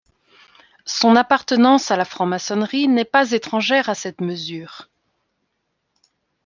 Son appartenance à la franc-maçonnerie n'est pas étrangère à cette mesure.